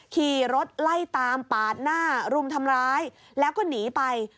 ขี่รถไล่ตามปาดหน้ารุมทำร้ายแล้วก็หนีไป